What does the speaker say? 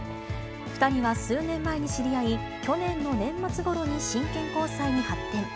２人は数年前に知り合い、去年の年末ごろに真剣交際に発展。